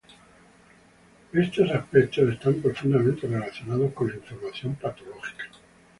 Estos aspectos están profundamente relacionados con la información patológica.